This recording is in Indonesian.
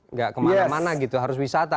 nggak kemana mana gitu harus wisata